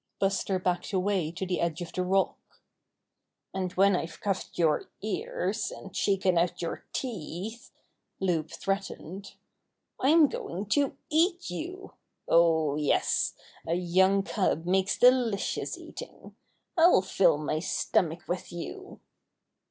Buster backed away to the edge of the rock. "And when I've cuffed your ears, and shaken out your teeth," Loup threatened, "I'm going to eat you. Oh, yes, a young cub makes delicious eating. I'll fill my stomach with you."